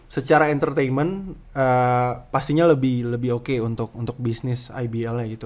secara entertainment pastinya lebih oke untuk bisnis ibl nya gitu